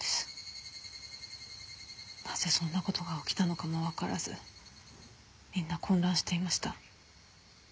なぜそんな事が起きたのかもわからずみんな混乱していました。